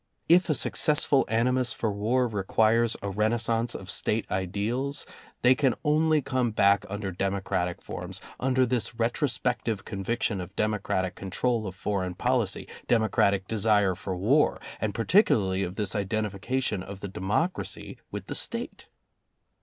If a successful animus for war requires a renaissance of State ideals, they can only come back under democratic forms, under this retro spective conviction of democratic control of foreign policy, democratic desire for war, and par ticularly of this identification of the democracy with the State.